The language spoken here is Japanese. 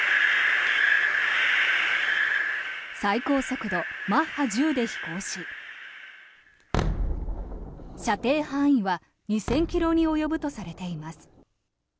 最高速度マッハ１０で飛行し射程範囲は２０００ｋｍに及ぶとされています。